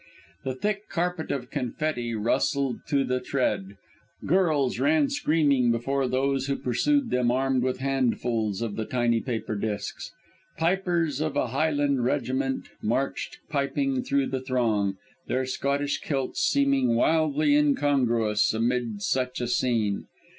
The thick carpet of confetti rustled to the tread; girls ran screaming before those who pursued them armed with handfuls of the tiny paper disks. Pipers of a Highland regiment marched piping through the throng, their Scottish kilts seeming wildly incongruous amid such a scene.